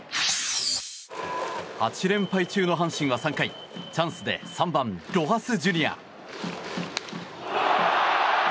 ８連敗中の阪神は３回チャンスで３番、ロハス・ジュニア。